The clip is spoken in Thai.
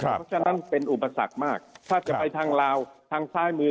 เพราะฉะนั้นเป็นอุปสรรคมากถ้าจะไปทางลาวทางซ้ายมือ